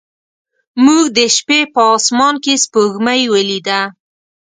موږ د شپې په اسمان کې سپوږمۍ ولیده.